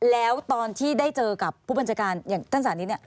แล้วตอนที่ได้เจอกับผู้บัญชาการอย่างตั้งส่วนนี้เนี่ย